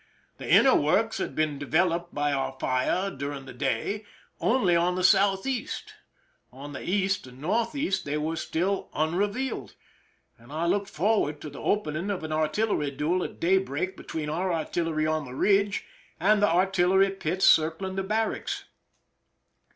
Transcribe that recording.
The inner works had been de veloped by our fire during the day only on the southeast; on the east and northeast they were still unrevealed ; and I looked forward to the open ing of an artillery duel at daybreak between our artillery on the ridge and the artillery pits circling the barracks.